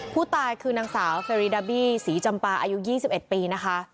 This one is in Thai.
ผู้ตายคือนางสาวเซรีดาบี้ศรีจำปาอายุ๒๑ปีนะคะ